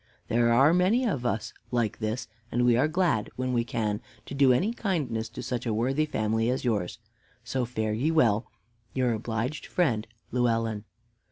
There are many of us like this, and we are glad, when we can, to do any kindness to such a worthy family as yours. So fare ye well. "Your obliged Friend, LLEWELLYN."